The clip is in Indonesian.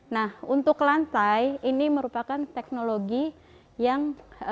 nah untuk lantai ini merupakan teknologi yang